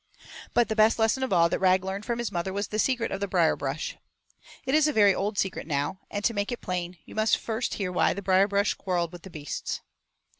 But the best lesson of all that Rag learned from his mother was the secret of the Brierbrush. It is a very old secret now, and to make it plain you must first hear why the Brierbrush quarrelled with the beasts.